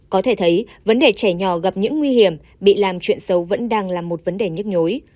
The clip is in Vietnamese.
có thể thấy vấn đề trẻ nhỏ gặp những nguy hiểm bị làm chuyện xấu vẫn đang là một vấn đề nhức nhối